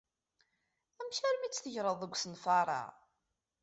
Amek armi tt-tegreḍ deg usenfaṛ-a?